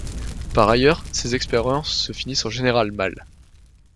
Par ailleurs, ces expériences se finissent en général mal.